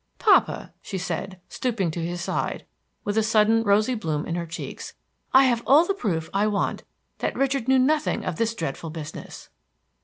"Papa," she said, stooping to his side, with a sudden rosy bloom in her cheeks, "I have all the proof I want that Richard knew nothing of this dreadful business."